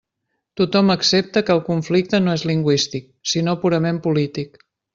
Tothom accepta que el conflicte no és lingüístic sinó purament polític.